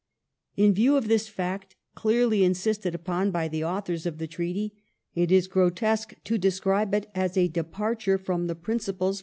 In view of this fact, clearly insisted upon by the authors of the treaty, it is grotesque to describe it as a departure from the principles for ' They h?